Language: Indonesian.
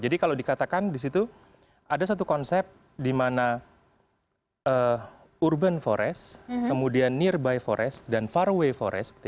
jadi kalau dikatakan di situ ada satu konsep di mana urban forest kemudian nearby forest dan faraway forest